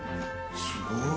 すごい。